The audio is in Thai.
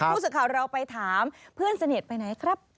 ผู้สื่อข่าวเราไปถามเพื่อนสนิทไปไหนครับ